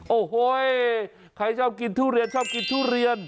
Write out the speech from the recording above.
โอ้โหใครชอบกินทุเรียนชอบกินทุเรียน